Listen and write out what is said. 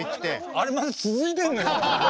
あれまだ続いてんのよ。